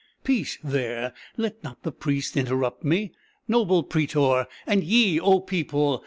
Peace there let not the priest interrupt me! Noble prætor and ye, O people!